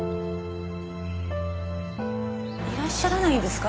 いらっしゃらないんですか？